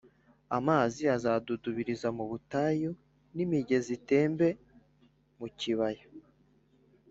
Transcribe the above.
Amazi azadudubiriza mu butayu n imigezi itembe mu kibaya